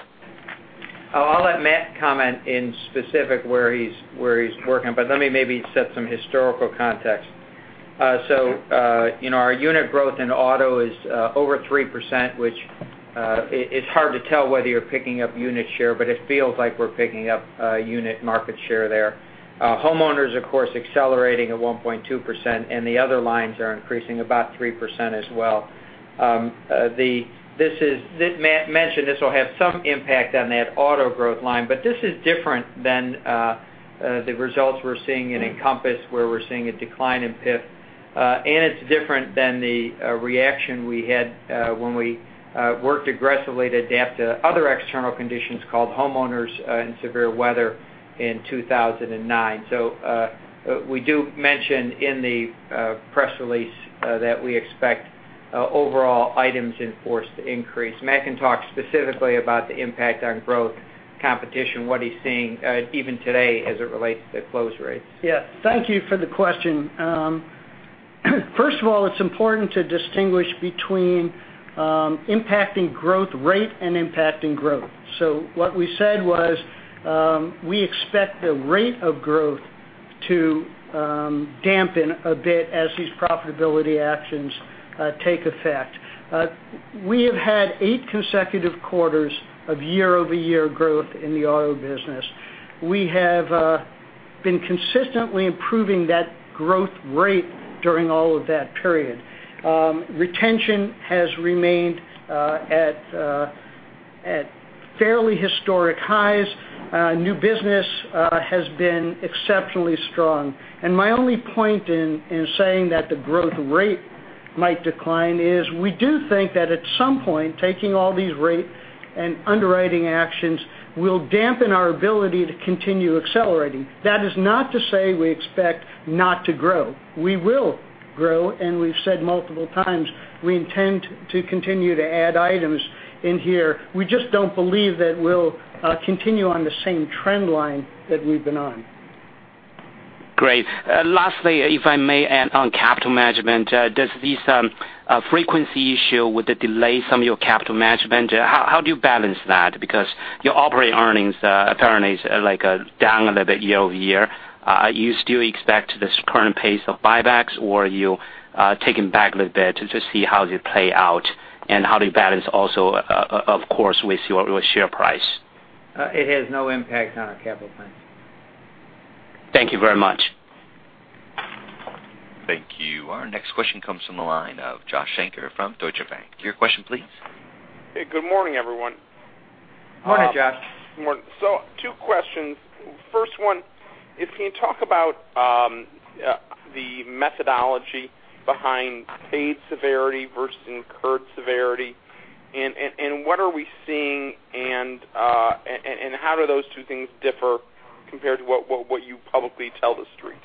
I'll let Matt comment in specific where he's working, but let me maybe set some historical context. Our unit growth in auto is over 3%, which it's hard to tell whether you're picking up unit share, but it feels like we're picking up unit market share there. Homeowners, of course, accelerating at 1.2%, and the other lines are increasing about 3% as well. Matt mentioned this will have some impact on that auto growth line, but this is different than the results we're seeing in Encompass, where we're seeing a decline in PIF, and it's different than the reaction we had when we worked aggressively to adapt to other external conditions called homeowners and severe weather in 2009. We do mention in the press release that we expect overall items in force to increase. Matt can talk specifically about the impact on growth competition, what he's seeing even today as it relates to close rates. Yeah. Thank you for the question. First of all, it's important to distinguish between impacting growth rate and impacting growth. What we said was, we expect the rate of growth to dampen a bit as these profitability actions take effect. We have had 8 consecutive quarters of year-over-year growth in the auto business. We have been consistently improving that growth rate during all of that period. Retention has remained at fairly historic highs. New business has been exceptionally strong. My only point in saying that the growth rate might decline is we do think that at some point, taking all these rate and underwriting actions will dampen our ability to continue accelerating. That is not to say we expect not to grow. We will grow, and we've said multiple times we intend to continue to add items in here. We just don't believe that we'll continue on the same trend line that we've been on. Great. Lastly, if I may add on capital management, does this frequency issue with the delay some of your capital management? How do you balance that? Your operating earnings are down a little bit year-over-year. You still expect this current pace of buybacks, or you take them back a little bit to just see how they play out, and how do you balance also, of course, with your share price? It has no impact on our capital plan. Thank you very much. Thank you. Our next question comes from the line of Joshua Shanker from Deutsche Bank. Your question please. Hey, good morning, everyone. Morning, Josh. Morning. Two questions. First one, if you can talk about the methodology behind paid severity versus incurred severity, and what are we seeing, and how do those two things differ compared to what you publicly tell the street?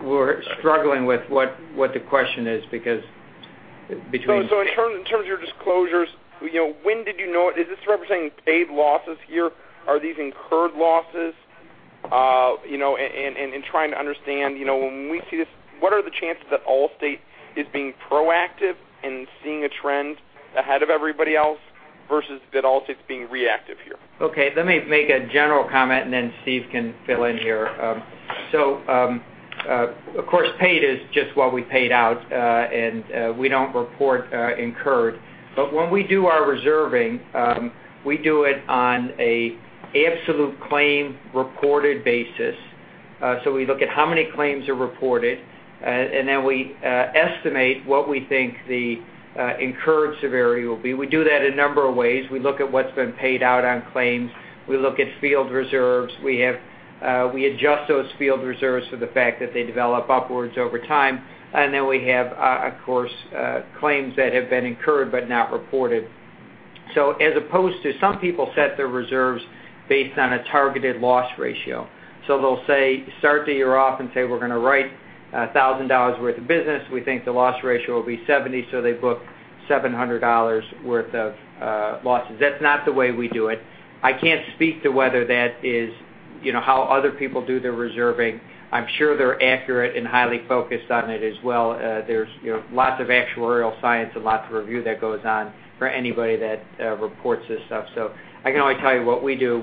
We're struggling with what the question is because. In terms of your disclosures, when did you know it? Is this representing paid losses here? Are these incurred losses? Trying to understand, when we see this, what are the chances that Allstate is being proactive and seeing a trend ahead of everybody else versus that Allstate's being reactive here? Okay. Let me make a general comment, then Steve can fill in here. Of course, paid is just what we paid out, we don't report incurred. When we do our reserving, we do it on an absolute claim reported basis. We look at how many claims are reported, then we estimate what we think the incurred severity will be. We do that a number of ways. We look at what's been paid out on claims. We look at field reserves. We adjust those field reserves for the fact that they develop upwards over time. Then we have, of course, claims that have been incurred but not reported. As opposed to some people set their reserves based on a targeted loss ratio. They'll say, start the year off and say, "We're going to write $1,000 worth of business. We think the loss ratio will be 70," they book $700 worth of losses. That's not the way we do it. I can't speak to whether that is how other people do their reserving. I'm sure they're accurate and highly focused on it as well. There's lots of actuarial science and lots of review that goes on for anybody that reports this stuff. I can only tell you what we do.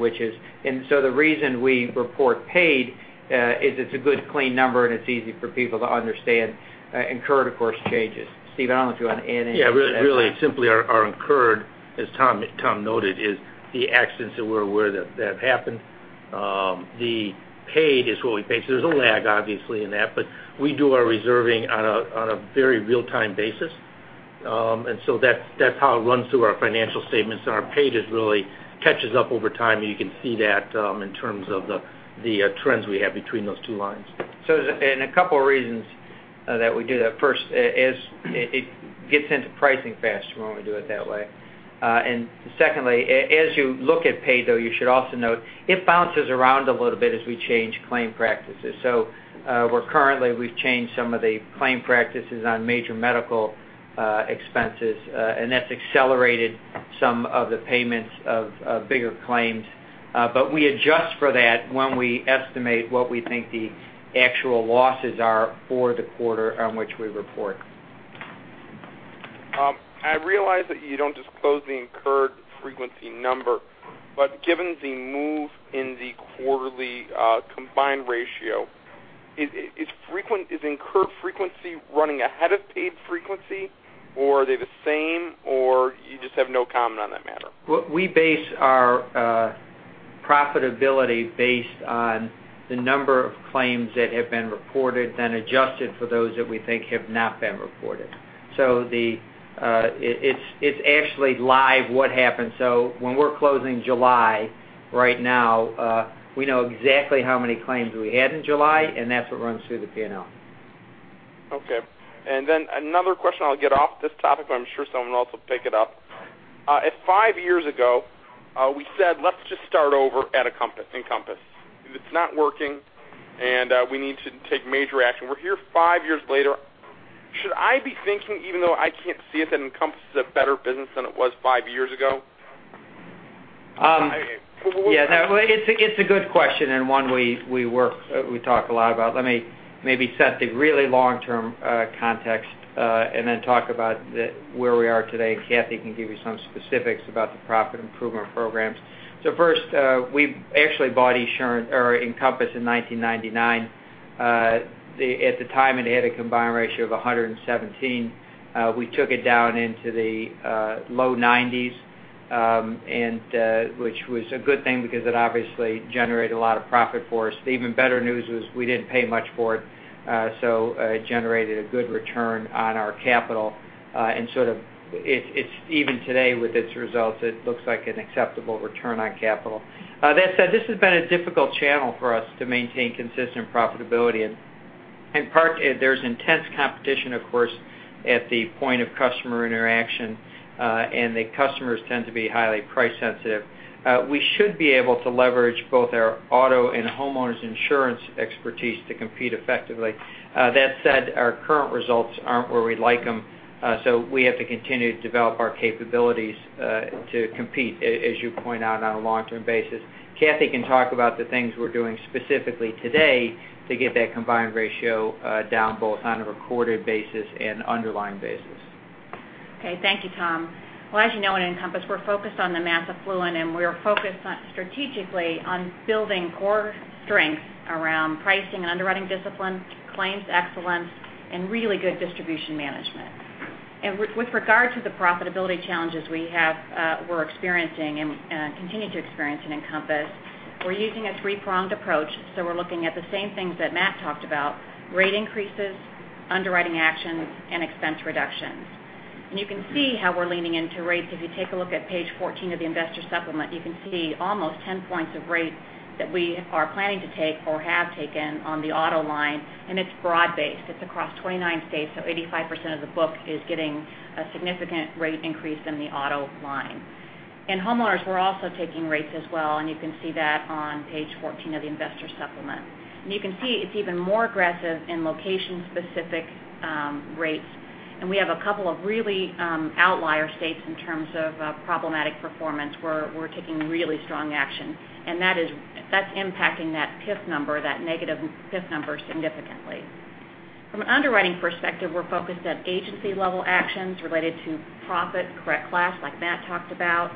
The reason we report paid is it's a good clean number, and it's easy for people to understand. Incurred, of course, changes. Steve, I don't know if you want to add anything to that. Really simply our incurred, as Tom noted, is the accidents that we're aware that have happened. The paid is what we paid. There's a lag, obviously, in that, but we do our reserving on a very real-time basis. That's how it runs through our financial statements, and our paid really catches up over time, and you can see that in terms of the trends we have between those two lines. A couple of reasons that we do that. First, it gets into pricing faster when we do it that way. Secondly, as you look at paid, though, you should also note it bounces around a little bit as we change claim practices. Currently, we've changed some of the claim practices on major medical expenses, and that's accelerated some of the payments of bigger claims. We adjust for that when we estimate what we think the actual losses are for the quarter on which we report. I realize that you don't disclose the incurred frequency number, given the move in the quarterly combined ratio, is incurred frequency running ahead of paid frequency, or are they the same, or you just have no comment on that matter? We base our profitability based on the number of claims that have been reported, adjusted for those that we think have not been reported. It's actually live what happened. When we're closing July right now, we know exactly how many claims we had in July, and that's what runs through the P&L. Okay. Another question. I'll get off this topic, but I'm sure someone else will pick it up. If five years ago, we said, "Let's just start over at Encompass. It's not working, and we need to take major action." We're here five years later. Should I be thinking, even though I can't see it, that Encompass is a better business than it was five years ago? Yeah. It's a good question and one we talk a lot about. Let me maybe set the really long-term context, then talk about where we are today, and Cathy can give you some specifics about the profit improvement programs. First, we actually bought Encompass in 1999. At the time, it had a combined ratio of 117. We took it down into the low 90s, which was a good thing because it obviously generated a lot of profit for us. The even better news was we didn't pay much for it. It generated a good return on our capital. Even today with its results, it looks like an acceptable return on capital. That said, this has been a difficult channel for us to maintain consistent profitability. In part, there's intense competition, of course, at the point of customer interaction, the customers tend to be highly price sensitive. We should be able to leverage both our auto and homeowners insurance expertise to compete effectively. That said, our current results aren't where we'd like them, we have to continue to develop our capabilities to compete, as you point out, on a long-term basis. Cathy can talk about the things we're doing specifically today to get that combined ratio down both on a recorded basis and underlying basis. Okay. Thank you, Tom. Well, as you know, at Encompass, we're focused on the mass affluent, we're focused strategically on building core strengths around pricing and underwriting discipline, claims excellence, really good distribution management. With regard to the profitability challenges we're experiencing and continue to experience in Encompass, we're using a three-pronged approach. We're looking at the same things that Matt talked about, rate increases, underwriting actions, and expense reductions. You can see how we're leaning into rates. If you take a look at page 14 of the investor supplement, you can see almost 10 points of rate that we are planning to take or have taken on the auto line, and it's broad based. It's across 29 states, 85% of the book is getting a significant rate increase in the auto line. In homeowners, we're also taking rates as well, you can see that on page 14 of the investor supplement. You can see it's even more aggressive in location specific rates. We have a couple of really outlier states in terms of problematic performance where we're taking really strong action. That's impacting that PIF number, that negative PIF number significantly. From an underwriting perspective, we're focused at agency level actions related to profit correct class like Matt talked about,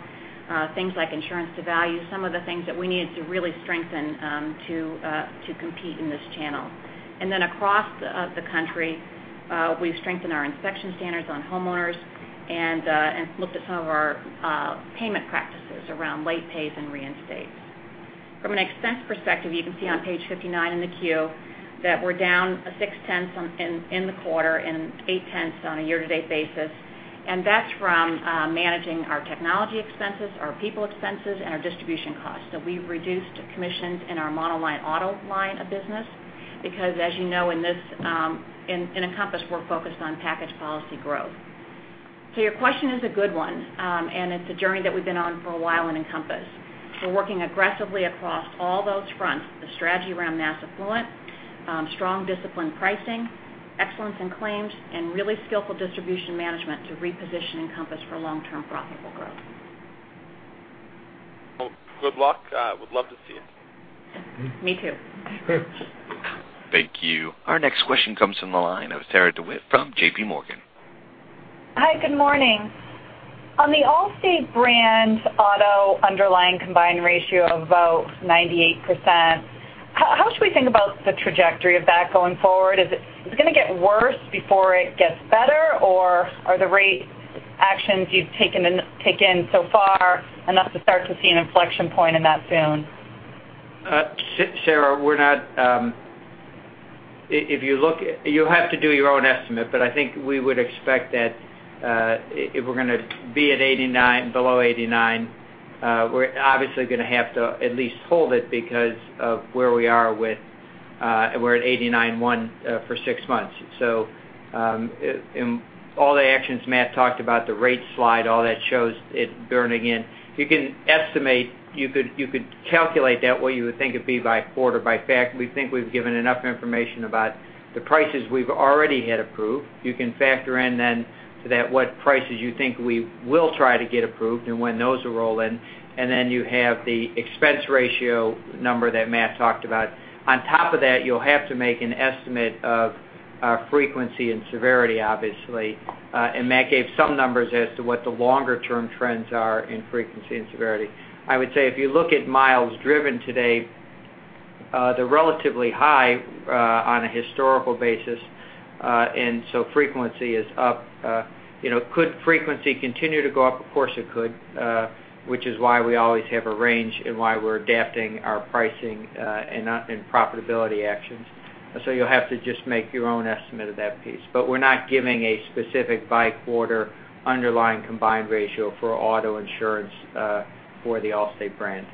things like insurance to value, some of the things that we need to really strengthen to compete in this channel. Then across the country, we've strengthened our inspection standards on homeowners and looked at some of our payment practices around late pays and reinstates. From an expense perspective, you can see on page 59 in the Q that we're down 6/10 in the quarter and 8/10 on a year-to-date basis, and that's from managing our technology expenses, our people expenses, and our distribution costs. We've reduced commissions in our monoline auto line of business because as you know, in Encompass, we're focused on package policy growth. Your question is a good one, and it's a journey that we've been on for a while in Encompass. We're working aggressively across all those fronts, the strategy around mass affluent, strong disciplined pricing, excellence in claims, and really skillful distribution management to reposition Encompass for long-term profitable growth. Well, good luck. Would love to see it. Me too. Good. Thank you. Our next question comes from the line of Sarah DeWitt from J.P. Morgan. Hi, good morning. On the Allstate brand auto underlying combined ratio of about 98%, how should we think about the trajectory of that going forward? Is it going to get worse before it gets better, or are the rate actions you've taken so far enough to start to see an inflection point in that soon? Sarah, you have to do your own estimate. I think we would expect that if we're going to be at 89, below 89, we're obviously going to have to at least hold it because of where we are with we're at 89 1 for six months. All the actions Matt talked about, the rate slide, all that shows it burning in. You can estimate, you could calculate that what you would think it'd be by quarter, by fact. We think we've given enough information about the prices we've already had approved. You can factor in then to that what prices you think we will try to get approved and when those will roll in. You have the expense ratio number that Matt talked about. On top of that, you'll have to make an estimate of our frequency and severity, obviously. Matt gave some numbers as to what the longer term trends are in frequency and severity. I would say if you look at miles driven today, they're relatively high on a historical basis, frequency is up. Could frequency continue to go up? Of course, it could, which is why we always have a range and why we're adapting our pricing and profitability actions. You'll have to just make your own estimate of that piece. We're not giving a specific by-quarter underlying combined ratio for auto insurance for the Allstate brand.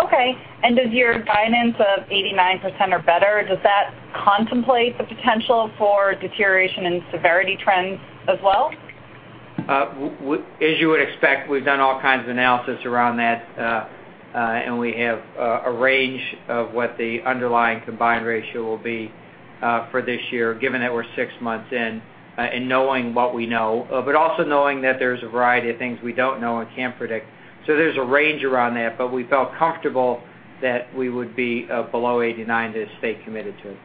Okay. Does your guidance of 89% or better, does that contemplate the potential for deterioration in severity trends as well? As you would expect, we've done all kinds of analysis around that, we have a range of what the underlying combined ratio will be for this year, given that we're six months in, knowing what we know, but also knowing that there's a variety of things we don't know and can't predict. There's a range around that, but we felt comfortable that we would be below 89 to stay committed to it.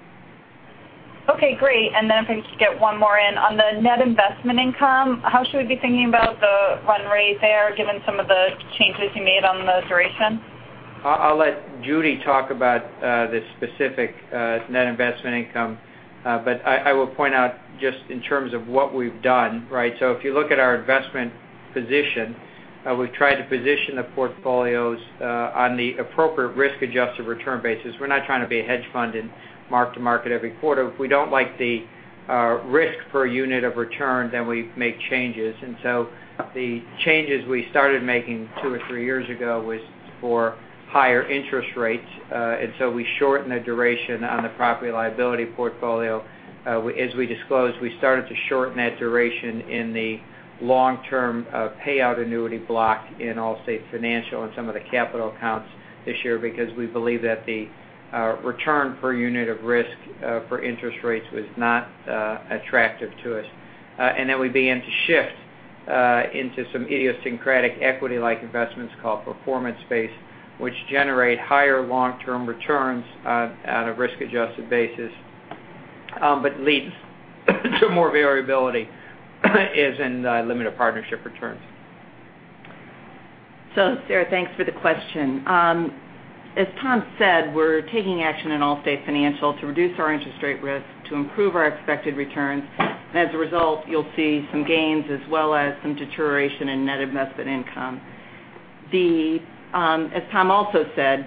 Okay, great. If I can just get one more in. On the net investment income, how should we be thinking about the run rate there, given some of the changes you made on the duration? I'll let Judy talk about the specific net investment income, but I will point out just in terms of what we've done. If you look at our investment position, we've tried to position the portfolios on the appropriate risk-adjusted return basis. We're not trying to be a hedge fund and mark to market every quarter. If we don't like the risk per unit of return, we make changes. The changes we started making two or three years ago was for higher interest rates. We shortened the duration on the property liability portfolio. As we disclosed, we started to shorten that duration in the long-term payout annuity block in Allstate Financial and some of the capital accounts this year because we believe that the return per unit of risk for interest rates was not attractive to us. We began to shift into some idiosyncratic equity-like investments called performance-based, which generate higher long-term returns on a risk-adjusted basis but leads to more variability as in the limited partnership returns. Sarah, thanks for the question. As Tom said, we're taking action in Allstate Financial to reduce our interest rate risk, to improve our expected returns, and as a result, you'll see some gains as well as some deterioration in net investment income. As Tom also said,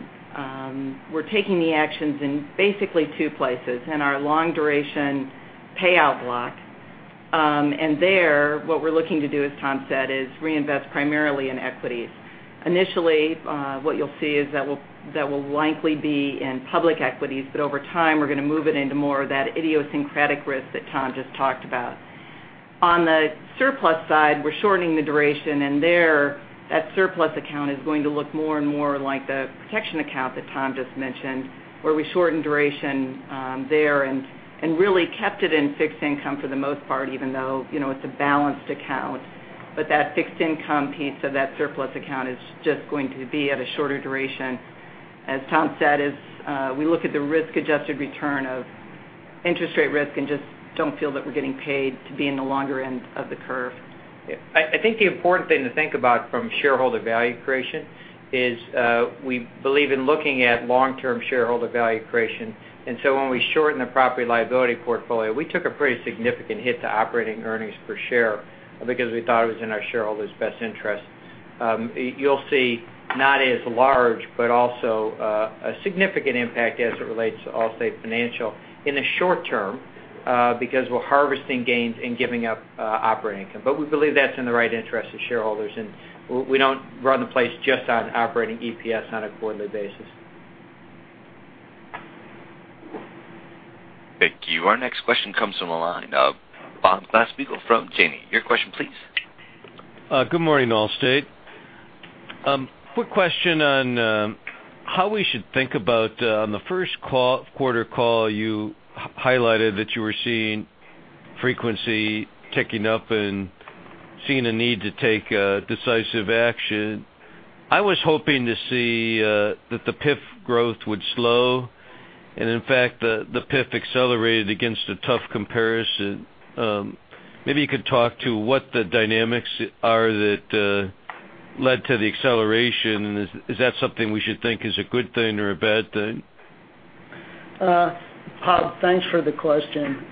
we're taking the actions in basically two places, in our long duration payout block. There, what we're looking to do, as Tom said, is reinvest primarily in equities. Initially, what you'll see is that will likely be in public equities, but over time, we're going to move it into more of that idiosyncratic risk that Tom just talked about. On the surplus side, we're shortening the duration, there, that surplus account is going to look more and more like the protection account that Tom just mentioned, where we shortened duration there and really kept it in fixed income for the most part, even though it's a balanced account. That fixed income piece of that surplus account is just going to be at a shorter duration. As Tom said, as we look at the risk-adjusted return of interest rate risk and just don't feel that we're getting paid to be in the longer end of the curve. I think the important thing to think about from shareholder value creation is we believe in looking at long-term shareholder value creation. When we shorten the property liability portfolio, we took a pretty significant hit to operating earnings per share because we thought it was in our shareholders' best interest. You'll see not as large but also a significant impact as it relates to Allstate Financial in the short term because we're harvesting gains and giving up operating income. We believe that's in the right interest of shareholders, and we don't run the place just on operating EPS on a quarterly basis. Thank you. Our next question comes from the line of Bob Glasspiegel from Janney. Your question please. Good morning, Allstate. Quick question on how we should think about, on the first quarter call you highlighted that you were seeing frequency ticking up and seeing a need to take decisive action. I was hoping to see that the PIF growth would slow. In fact, the PIF accelerated against a tough comparison. Maybe you could talk to what the dynamics are that led to the acceleration. Is that something we should think is a good thing or a bad thing? Bob, thanks for the question.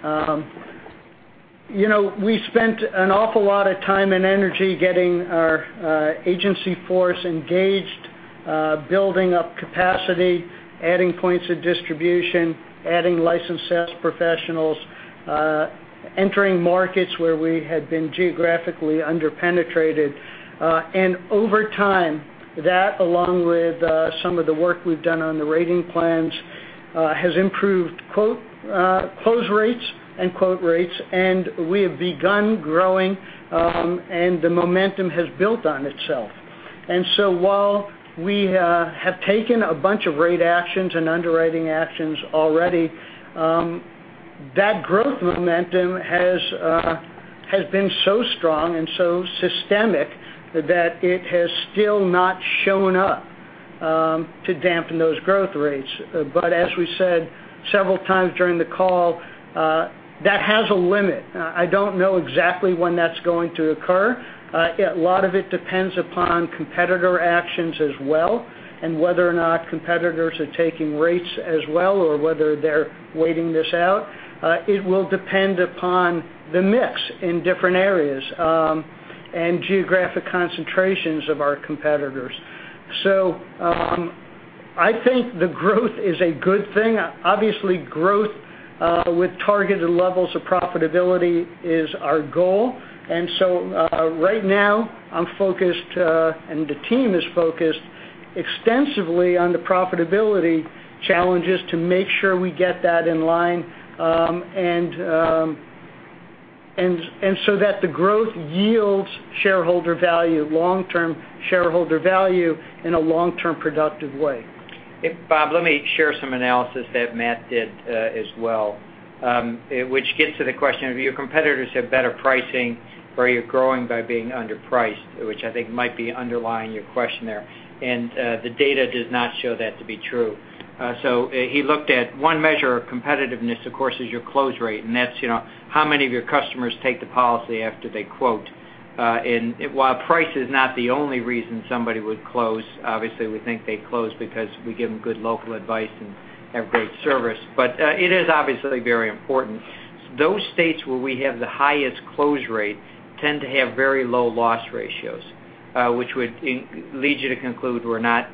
We spent an awful lot of time and energy getting our agency force engaged, building up capacity, adding points of distribution, adding licensed sales professionals, entering markets where we had been geographically under-penetrated. Over time, that along with some of the work we've done on the rating plans, has improved close rates and quote rates, and we have begun growing, and the momentum has built on itself. While we have taken a bunch of rate actions and underwriting actions already, that growth momentum has been so strong and so systemic that it has still not shown up to dampen those growth rates. I don't know exactly when that's going to occur. A lot of it depends upon competitor actions as well, and whether or not competitors are taking rates as well, or whether they're waiting this out. It will depend upon the mix in different areas, and geographic concentrations of our competitors. I think the growth is a good thing. Obviously, growth with targeted levels of profitability is our goal. Right now I'm focused, and the team is focused extensively on the profitability challenges to make sure we get that in line, and so that the growth yields shareholder value, long-term shareholder value in a long-term productive way. Bob, let me share some analysis that Matt did as well, which gets to the question of, do your competitors have better pricing, or are you growing by being underpriced? Which I think might be underlying your question there. The data does not show that to be true. He looked at one measure of competitiveness, of course, is your close rate, and that's how many of your customers take the policy after they quote. While price is not the only reason somebody would close, obviously we think they close because we give them good local advice and have great service. It is obviously very important. Those states where we have the highest close rate tend to have very low loss ratios, which would lead you to conclude we're not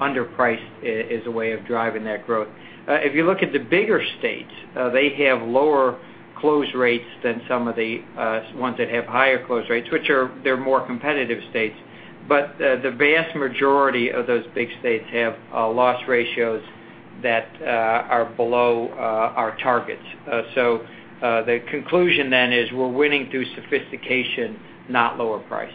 underpriced as a way of driving that growth. If you look at the bigger states, they have lower close rates than some of the ones that have higher close rates, which they're more competitive states. The vast majority of those big states have loss ratios that are below our targets. The conclusion then is we're winning through sophistication, not lower price.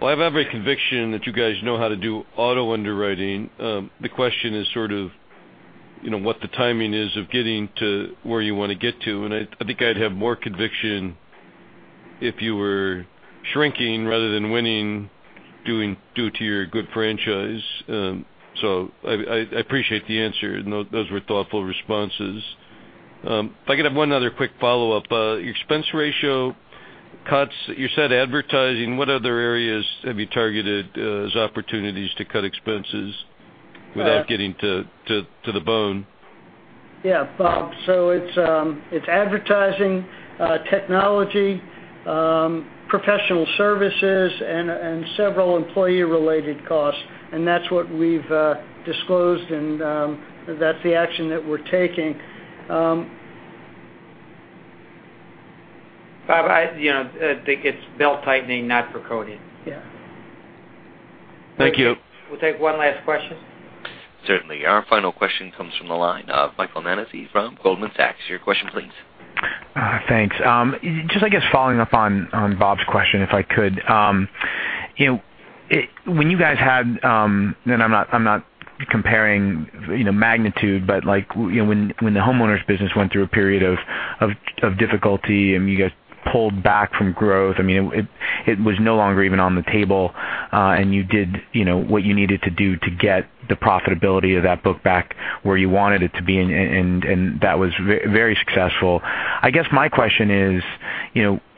Well, I have every conviction that you guys know how to do auto underwriting. The question is sort of what the timing is of getting to where you want to get to, and I think I'd have more conviction if you were shrinking rather than winning due to your good franchise. I appreciate the answer. Those were thoughtful responses. If I could have one other quick follow-up. Expense ratio cuts. You said advertising. What other areas have you targeted as opportunities to cut expenses without getting to the bone? Yeah, Bob. It's advertising, technology, professional services, and several employee-related costs. That's what we've disclosed, and that's the action that we're taking. Bob, I think it's belt-tightening, not for coding. Yeah. Thank you. We'll take one last question. Certainly. Our final question comes from the line of Michael Nannizzi from Goldman Sachs. Your question please. Thanks. Just, I guess, following up on Bob's question, if I could. When you guys had, and I'm not comparing magnitude, but when the homeowners business went through a period of difficulty, and you guys pulled back from growth, it was no longer even on the table, and you did what you needed to do to get the profitability of that book back where you wanted it to be, and that was very successful. I guess my question is,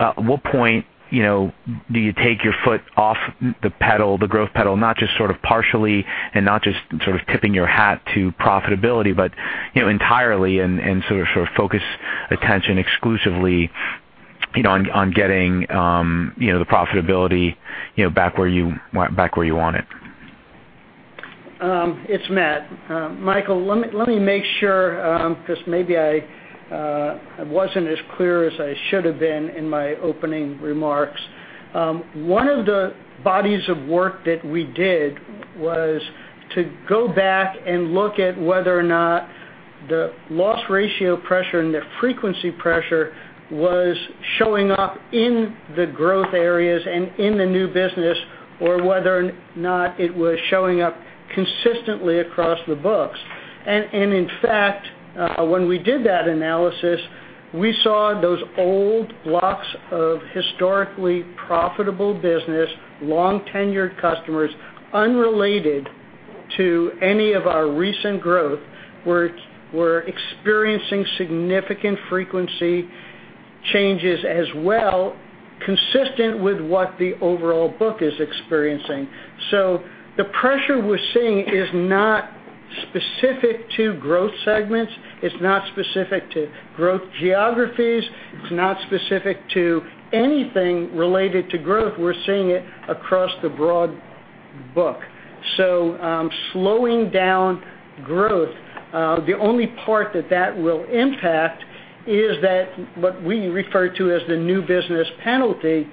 at what point do you take your foot off the pedal, the growth pedal, not just sort of partially, and not just sort of tipping your hat to profitability, but entirely and sort of focus attention exclusively on getting the profitability back where you want it. It's Matt. Michael, let me make sure, because maybe I wasn't as clear as I should've been in my opening remarks. One of the bodies of work that we did was to go back and look at whether or not the loss ratio pressure and the frequency pressure was showing up in the growth areas and in the new business, or whether or not it was showing up consistently across the books. In fact, when we did that analysis, we saw those old blocks of historically profitable business, long-tenured customers unrelated to any of our recent growth, were experiencing significant frequency changes as well, consistent with what the overall book is experiencing. The pressure we're seeing is not specific to growth segments, it's not specific to growth geographies, it's not specific to anything related to growth. We're seeing it across the broad book. Slowing down growth, the only part that that will impact is that what we refer to as the new business penalty,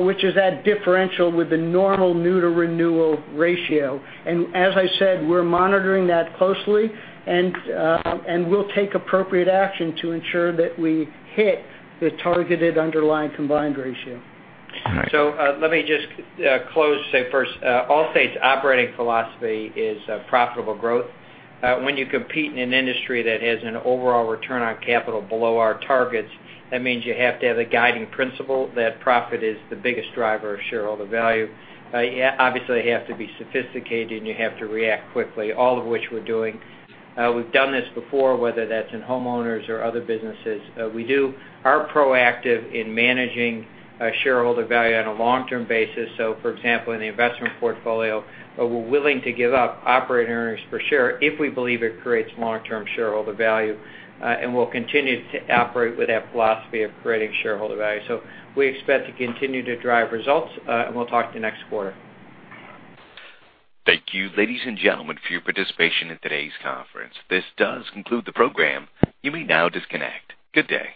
which is that differential with the normal new to renewal ratio. As I said, we're monitoring that closely, and we'll take appropriate action to ensure that we hit the targeted underlying combined ratio. Let me just close, say first, Allstate's operating philosophy is profitable growth. When you compete in an industry that has an overall return on capital below our targets, that means you have to have a guiding principle that profit is the biggest driver of shareholder value. Obviously, you have to be sophisticated, and you have to react quickly, all of which we're doing. We've done this before, whether that's in homeowners or other businesses. We are proactive in managing shareholder value on a long-term basis. For example, in the investment portfolio, we're willing to give up operating earnings per share if we believe it creates long-term shareholder value. We'll continue to operate with that philosophy of creating shareholder value. We expect to continue to drive results, and we'll talk to you next quarter. Thank you, ladies and gentlemen, for your participation in today's conference. This does conclude the program. You may now disconnect. Good day.